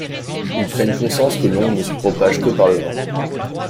Ils prennent conscience que l’onde ne se propage que par le vent.